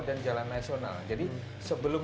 jalan nasional jadi sebelum